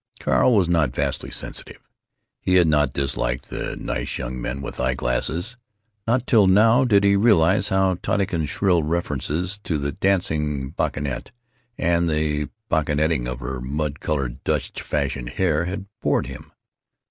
Carl was not vastly sensitive. He had not disliked the nice young men with eye glasses. Not till now did he realize how Tottykins's shrill references to the Dancing Bacchante and the Bacchanting of her mud colored Dutch fashioned hair had bored him.